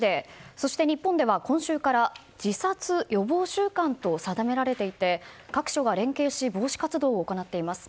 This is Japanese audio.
そして日本では今週から自殺予防週間と定められていて、各所が連携し防止活動を行っています。